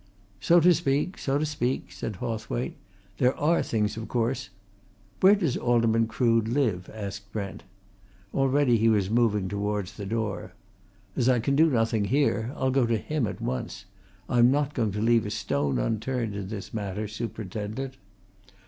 "So to speak; so to speak!" said Hawthwaite. "There are things of course " "Where does Alderman Crood live?" asked Brent. Already he was moving towards the door. "As I can do nothing here, I'll go to him at once. I'm not going to leave a stone unturned in this matter, superintendent."